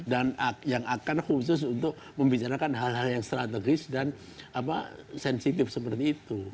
yang akan khusus untuk membicarakan hal hal yang strategis dan sensitif seperti itu